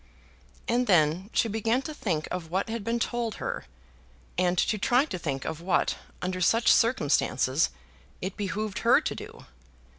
And then she began to think of what had been told her; and to try to think of what, under such circumstances, it behoved her to do.